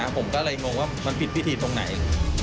ผมก็เลยงงว่ามันผิดพิธีตรงไหน